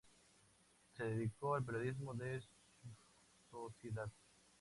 Se dedicó al periodismo de sociedad.